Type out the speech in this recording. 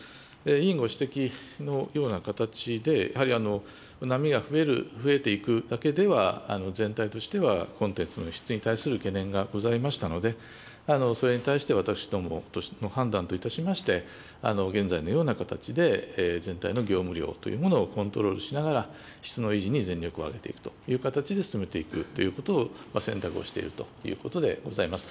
委員ご指摘のような形で、やはり波が増える、増えていくだけでは、全体としては、コンテンツの質に対する懸念がございましたので、それに対して私どもの判断といたしまして、現在のような形で、全体の業務量というものをコントロールしながら、質の維持に全力を挙げていくという形で進めていくということを、選択をしているということでございます。